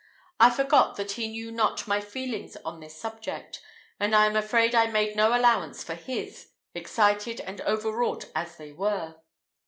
I forgot that he knew not my feelings on this subject, and I am afraid I made no allowance for his, excited and overwrought as they were.